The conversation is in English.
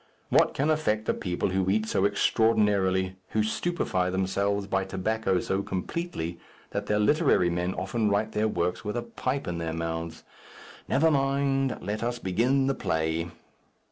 What can affect a people who eat so extraordinarily, who stupefy themselves by tobacco so completely that their literary men often write their works with a pipe in their mouths? Never mind. Let us begin the play."